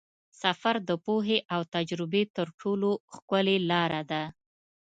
سفر د پوهې او تجربې تر ټولو ښکلې لاره ده.